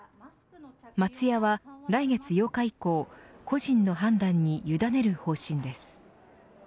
松屋は、来月８日以降個人の判断に委ねる方針です。